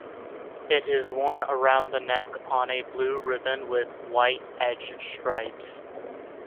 It is worn around the neck on a blue ribbon with white edge stripes.